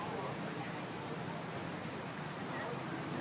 โปรดติดตามต่อไป